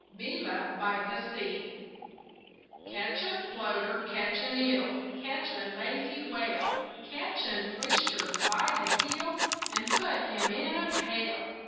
BEELA BY THE SEA Catch a floater, catch an eel, Catch a lazy whale, Catch an oyster by the heel And put him in a pail.